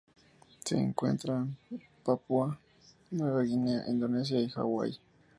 Se encuentra en Papúa Nueva Guinea, Indonesia y Hawai.